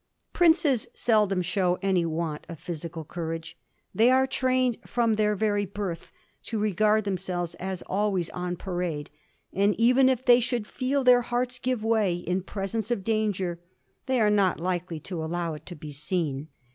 Princes seldom show any want of physical courage. They are trained from their very birth to regard themselves as always on parade, and even if they should fed their hearts give way in presence of danger, they are not likely to allow it to be seen.